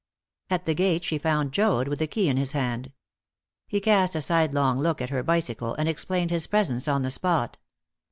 At the gate she found Joad, with the key in his hand. He cast a sidelong look at her bicycle, and explained his presence on the spot.